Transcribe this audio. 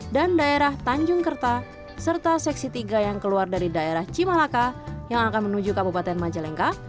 dan daerah tanjung kerta serta seksi tiga yang keluar dari daerah cimalaka yang akan menuju kabupaten majalengka